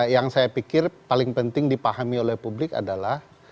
yang saya pikir paling penting dipahami oleh publik adalah